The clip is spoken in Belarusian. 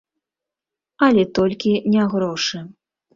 Але толькі не грошы.